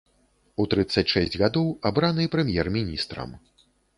У трыццаць шэсць гадоў абраны прэм'ер-міністрам.